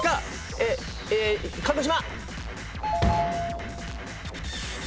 え鹿児島。